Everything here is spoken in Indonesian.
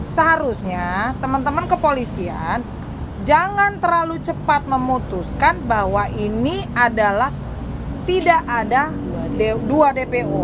seharusnya teman teman kepolisian jangan terlalu cepat memutuskan bahwa ini adalah tidak ada dua dpo